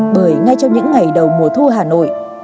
bởi ngay trong những ngày đầu mùa thu hà nội